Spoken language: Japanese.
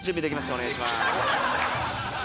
お願いします。